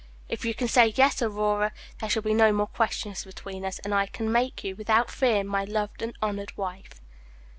If you can say yes, Aurora, there shall be no more questions between us, and I can make you, without fear, my loved and honored wife."